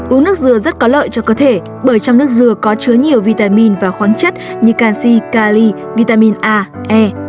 uống nước dừa rất có lợi cho cơ thể bởi trong nước dừa có chứa nhiều vitamin và khoáng chất như canxi cali vitamin a e